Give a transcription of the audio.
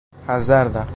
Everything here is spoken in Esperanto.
hazarda